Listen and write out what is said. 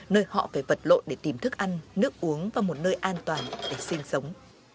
nơi họ phải vật lộn để tìm thức ăn nước uống và một nơi an toàn để sinh sống